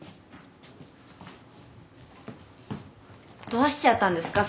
どうしちゃったんですか？